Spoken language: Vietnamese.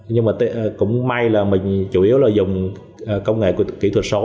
nhưng mà cũng may là mình chủ yếu là dùng công nghệ kỹ thuật số